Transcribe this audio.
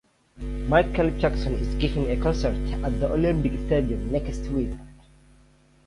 Michael Jackson is giving a concert at the Olympic Stadium next week.